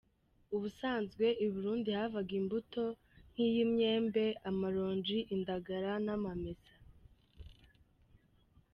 Ubusanzwe i Burundi havaga imbuto nk’imyembe, amaronji, indagara n’amamesa.